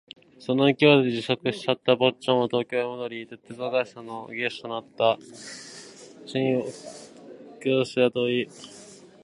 その勢いで辞職した坊っちゃんは東京へ戻り、鉄道会社の技手となった。清を下女として雇い、彼女が死ぬまで一緒に暮らした。